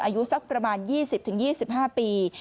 อายุสักประมาณ๒๐๒๕ปี